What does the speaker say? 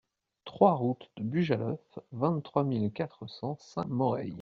trois route de Bujaleuf, vingt-trois mille quatre cents Saint-Moreil